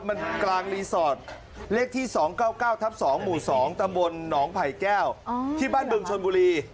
มันกลางรีสอร์ทเลขที่๒๙๙ทับ๒หมู่๒ตำบลหนองไผ่แก้วที่บ้านบึงชนบุรี